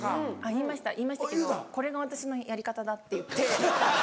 言いました言いましたけどこれが私のやり方だって言って。